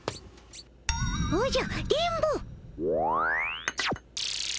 おじゃ電ボ！